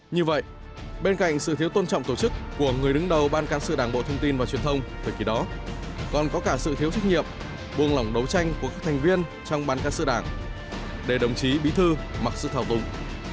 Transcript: như vậy bên cạnh sự thiếu tôn trọng tổ chức của người đứng đầu ban cán sự đảng bộ thông tin và truyền thông thời kỳ đó còn có cả sự thiếu trách nhiệm buông lỏng đấu tranh của các thành viên trong ban cán sự đảng để đồng chí bí thư mặc sự thảo tùng